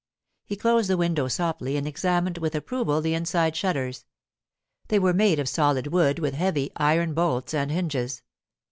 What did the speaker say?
He closed the window softly and examined with approval the inside shutters. They were made of solid wood with heavy iron bolts and hinges.